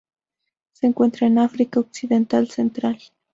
Se encuentra en África occidental central.